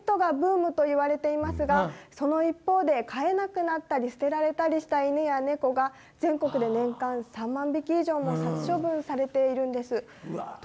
そんな癒やしを求めてこのコロナ禍、ペットがブームといわれていますが、その一方で、飼えなくなったり、捨てられたりした犬や猫が、全国で年間３万匹以上も殺処分されているんです。